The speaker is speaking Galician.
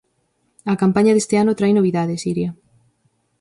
A campaña deste ano trae novidades, Iria.